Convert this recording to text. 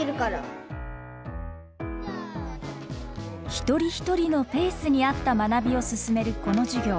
一人一人のペースに合った学びを進めるこの授業。